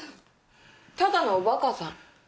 ただのおバカさん。